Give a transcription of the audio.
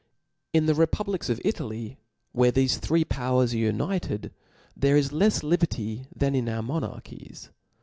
In the republics ci Italy, where thefe three pow» ers are united, there is left liberty than in our monarchies.